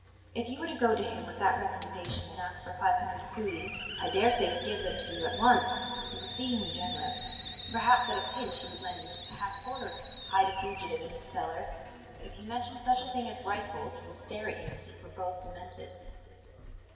If you were to go to him with that recommendation and ask for five hundred scudi, I dare say he'd give them to you at once he's exceedingly generous, and perhaps at a pinch he would lend you his passport or hide a fugitive in his cellar; but if you mention such a thing as rifles he will stare at you and think we're both demented."